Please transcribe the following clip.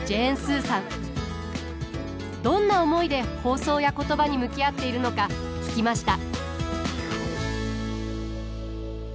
どんな思いで放送や言葉に向き合っているのか聞きました。